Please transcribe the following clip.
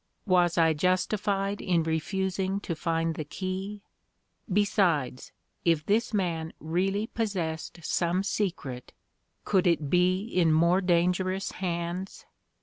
Was I justified in refusing to find the key? besides, if this man really possessed some secret, could it be in more dangerous hands?